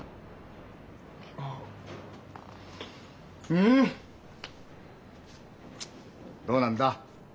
うん？どうなんだ？